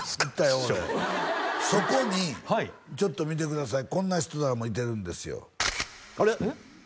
俺そこにちょっと見てくださいこんな人らもいてるんですよあれ？